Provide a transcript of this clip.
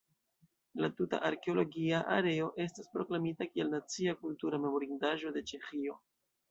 La tuta arkeologia areo estas proklamita kiel Nacia kultura memorindaĵo de Ĉeĥio.